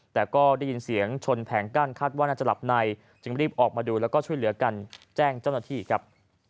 แต่ก็ได้ยินเสียงชนแผงกั้นคาดว่าน่าจะหลับในจึงรีบออกมาดูแล้วก็ช่วยเหลือกันแจ้งเจ้าหน้าที่ครับ